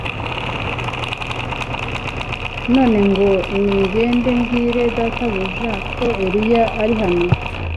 None ngo ningende mbwire databuja ko Eliya ari hano